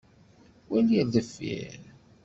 Wali ar deffir!